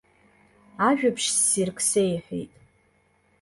Ажәабжь ссирк сеиҳәеит.